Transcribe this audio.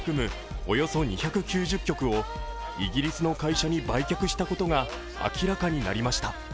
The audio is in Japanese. およそ２９０曲をイギリスの会社に売却したことが明らかになりました。